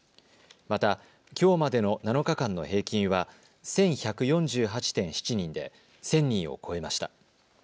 また、きょうまでの７日間の平均は１１４８．７人で１０００人を超えました。